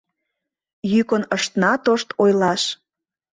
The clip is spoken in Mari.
Йӱкын ышна тошт ойлаш.